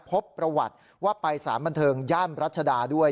พบประวัติว่าไปสารบันเทิงย่านรัชดาด้วย